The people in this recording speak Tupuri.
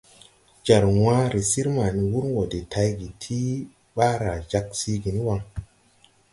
Jar wããre sir ma ni wur wɔ de tayge tii ɓaara jāg siigi ni waŋ.